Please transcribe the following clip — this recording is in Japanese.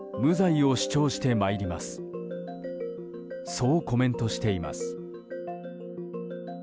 そうコメントしています。